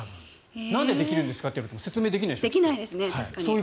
なんでできるんですかって言われても説明できないでしょう。